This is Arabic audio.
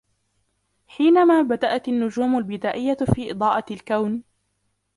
حينما بدأت النجوم البدائية في إضاءة الكون